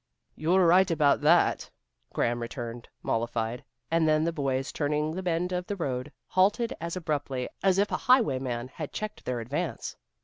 "You're right about that," Graham returned, mollified, and then the boys, turning the bend of the road, halted as abruptly as if a highwayman had checked their advance.